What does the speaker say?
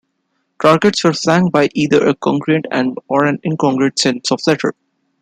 Targets were flanked by either a congruent or an incongruent set of letters.